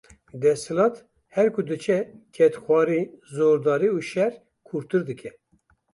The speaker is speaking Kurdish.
Desthilat her ku diçe kedxwarî, zordarî û şer kûrtir dike.